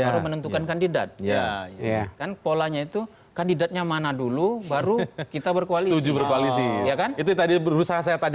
itu menentukan kandidat ya ya kan polanya itu kandidatnya mana dulu baru kita berkualitas